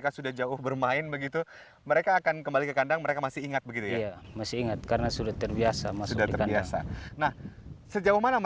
kuda sandal itu menjadi kembangkan orang sumba